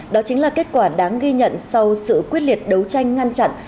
đó chính là kết quả đáng ghi nhận sau sự quyết liệt đấu tranh ngăn chặn